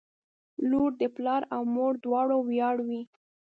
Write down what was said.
• لور د پلار او مور دواړو ویاړ وي.